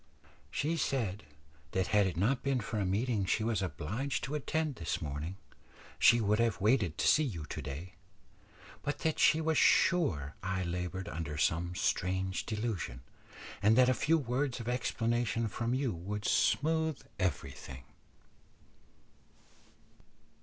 "She said that had it not been for a meeting she was obliged to attend this morning, she would have waited to see you to day; but that she was sure I laboured under some strange delusion, and that a few words of explanation from you would smooth everything."